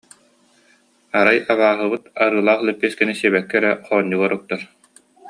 Арай «абааһыбыт» арыылаах лэппиэскэни сиэбэккэ эрэ хоонньугар уктар